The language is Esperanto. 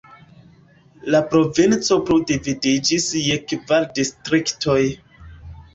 La provinco plu dividiĝis je kvar distriktoj.